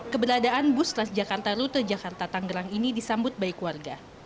keberadaan bus transjakarta rute jakarta tanggerang ini disambut baik warga